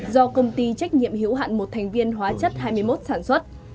do công ty trách nhiệm hiểu hạn một thành viên hóa chất hai mươi một sản xuất